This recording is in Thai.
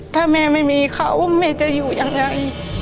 ถ้าแม่ไม่มีเขาแม่จะอยู่ยังไง